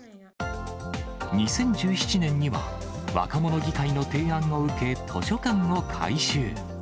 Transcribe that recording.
２０１７年には、若者議会の提案を受け、図書館を改修。